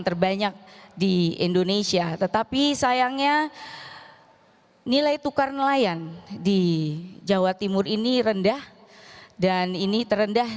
terbanyak di indonesia tetapi sayangnya nilai tukar nelayan di jawa timur ini rendah dan ini terendah